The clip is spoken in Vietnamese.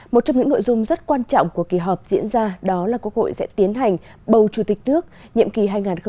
một trong những nội dung rất quan trọng của kỳ họp diễn ra đó là quốc hội sẽ tiến hành bầu chủ tịch nước nhiệm kỳ hai nghìn hai mươi một hai nghìn hai mươi sáu